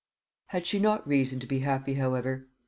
Had she not reason to be happy, however?